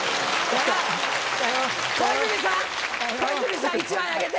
小泉さん、小泉さん、１枚あげて。